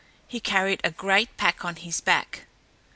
He carried a great pack on his back.